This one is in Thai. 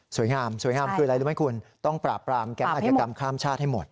สวยงามสวยงามคืออะไรรู้ไหมคุณต้องปราบปรามแก๊งอาจกรรมข้ามชาติให้หมด